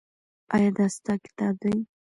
ایا دا ستا کتاب دی؟